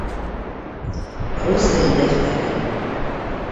Рус теле дәфтәре...